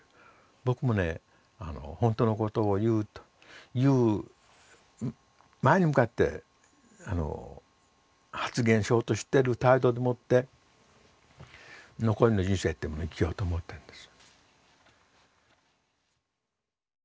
僕もね本当のことを言う前に向かって発言しようとしている態度でもって残りの人生っていうものを生きようと思ってるんです。